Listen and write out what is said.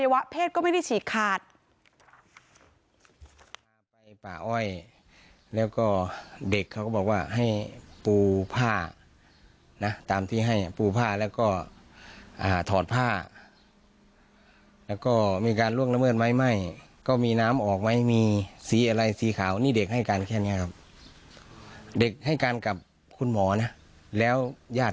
วะเพศก็ไม่ได้ฉีกขาด